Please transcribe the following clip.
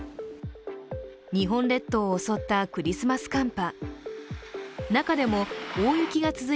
日本列島を襲ったクリスマス寒波。